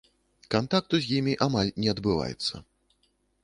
Кантакту з імі амаль не адбываецца.